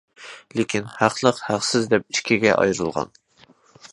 لېكىن ھەقلىق، ھەقسىز دەپ ئىككىگە ئايرىلغان.